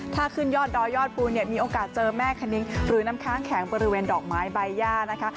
ถ้าขึ้นยอดดอยยอดภูเนี่ยมีโอกาสเจอแม่คณิ้งหรือน้ำค้างแข็งบริเวณดอกไม้ใบย่านะคะ